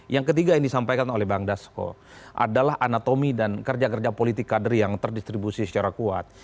yang ketiga yang disampaikan oleh bang dasko adalah anatomi dan kerja kerja politik kader yang terdistribusi secara kuat